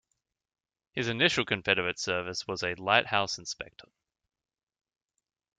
His initial Confederate service was as a lighthouse inspector.